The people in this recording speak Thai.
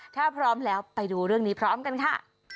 ถ้าพร้อมแล้วไปดูเรื่องนี้พร้อมกันค่ะ